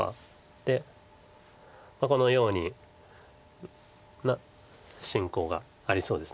でこのような進行がありそうです。